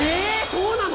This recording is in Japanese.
そうなの！？